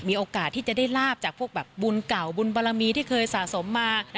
มีโอกาสที่จะได้ลาบจากพวกแบบบุญเก่าบุญบารมีที่เคยสะสมมา